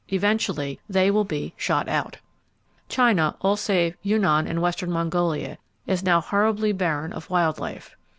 Eventually they will be "shot out." China, all save Yunnan and western Mongolia, is now horribly barren of wild life.